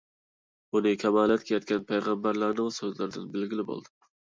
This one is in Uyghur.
بۇنى كامالەتكە يەتكەن پەيغەمبەرلەرنىڭ سۆزلىرىدىن بىلگىلى بولىدۇ.